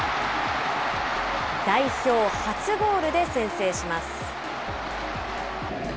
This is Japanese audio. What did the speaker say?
代表初ゴールで先制します。